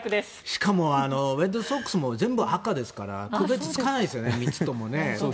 しかもレッドソックスも全部赤ですから見分けがつかないですよね。